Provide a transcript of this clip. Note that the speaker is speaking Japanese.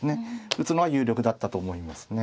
打つのは有力だったと思いますね。